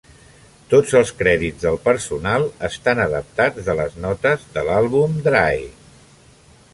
Tots els crèdits del personal estan adaptats de les notes de l'àlbum "Dry".